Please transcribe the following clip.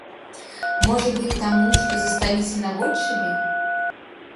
Можа быць, таму, што засталіся наводшыбе?